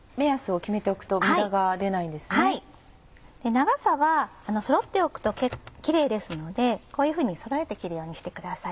長さはそろっておくとキレイですのでこういうふうにそろえて切るようにしてください。